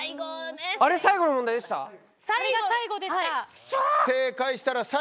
最後の問題でした。